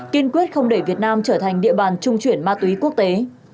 kiên quyết không để việt nam trở thành địa bàn trung chuyển ma túy quốc tế